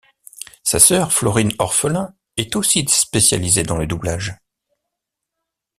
Sa sœur, Florine Orphelin, est aussi spécialisée dans le doublage.